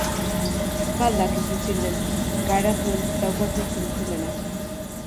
Ba al dakizu zein den garatuen daukazun zentzumena?